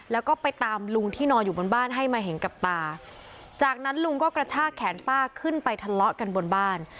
แล้วก็ไปตามลุงที่นอนอยู่บนบ้านให้มาเห็นกับตาจากนั้นลุงก็กระชากแขนป้าขึ้นไปทะเลาะกันบนบ้าน